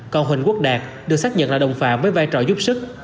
còn huỳnh quốc đạt được xác nhận là đồng phạm với vai trò giúp sức